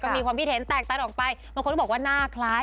มีความคิดเห็นแตกตันออกไปบางคนก็บอกว่าหน้าคล้าย